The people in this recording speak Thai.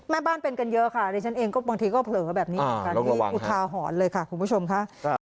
แม่บ้านเป็นกันเยอะค่ะแต่ฉันเองบางทีก็เผลอแบบนี้อุทาหรณ์เลยค่ะคุณผู้ชมค่ะ